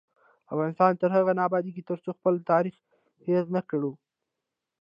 افغانستان تر هغو نه ابادیږي، ترڅو خپل تاریخ هیر نکړو.